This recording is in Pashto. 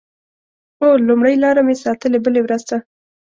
اوه…لومړۍ لاره مې ساتلې بلې ورځ ته